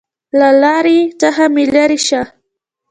له لارې څخه مې لېرې شه!